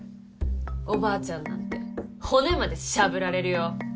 おばあちゃんなんて骨までしゃぶられるよ。